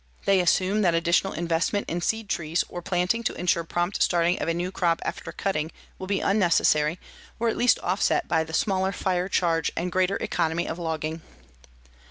They assume that additional investment in seed trees, or planting to insure prompt starting of a new crop after cutting, will be unnecessary or at least offset by the smaller fire charge and greater economy of logging.